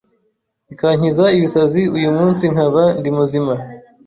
ikankiza ibisazi uyu munsi nkaba ndi muzima